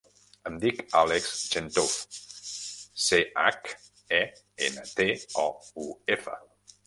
Em dic Àlex Chentouf: ce, hac, e, ena, te, o, u, efa.